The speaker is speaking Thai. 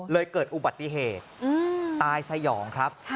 เกิดอุบัติเหตุตายสยองครับ